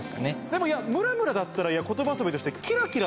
でもムラムラだったら言葉遊びとして。